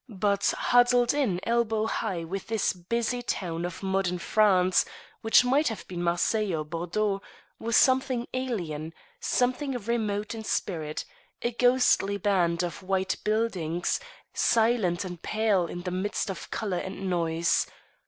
But huddled in elbow high with this busy town of modern France (which might have been Marseilles or Bordeaux) was something alien, something remote in spirit; a ghostly band of white buildings, silent and pale in the midst of colour and noise.